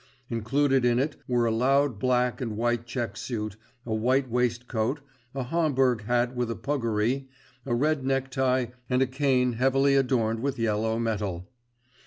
Included in it were a loud black and white check suit, a white waistcoat, a Homburg hat with a puggaree, a red necktie and a cane heavily adorned with yellow metal.